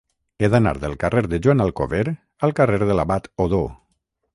He d'anar del carrer de Joan Alcover al carrer de l'Abat Odó.